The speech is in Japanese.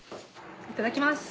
いただきます。